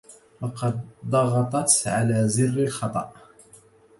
لقد ضغطت على الزر الخطأ.